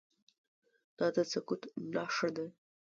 دا د سقوط نښه ده.